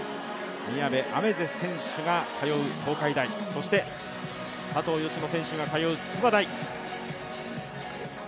宮部愛芽世選手が通う東海大、そして佐藤淑乃選手が通う筑波大。